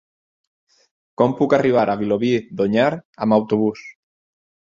Com puc arribar a Vilobí d'Onyar amb autobús?